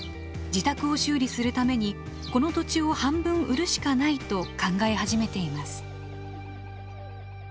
自宅を修理するためにこの土地を半分売るしかないと考え始めています。